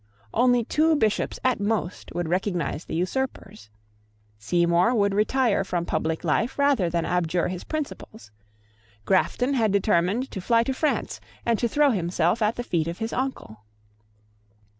Only two Bishops at most would recognise the usurpers. Seymour would retire from public life rather than abjure his principles. Grafton had determined to fly to France and to throw himself at the feet of his uncle.